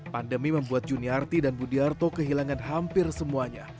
pandemi membuat juniarti dan budiarto kehilangan hampir semuanya